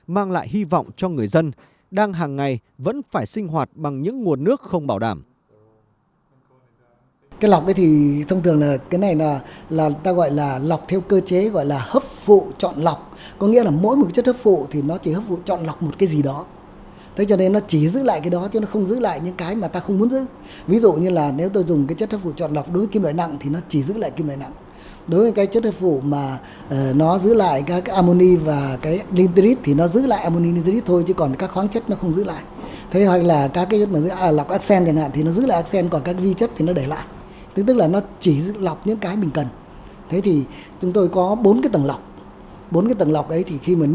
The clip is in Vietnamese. mang lại hy vọng cho người dân đang hàng ngày vẫn phải sinh hoạt bằng những nguồn nước không bảo đảm